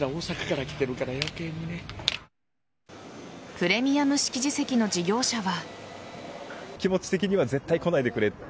プレミアム桟敷席の事業者は。